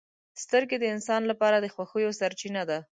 • سترګې د انسان لپاره د خوښیو سرچینه ده.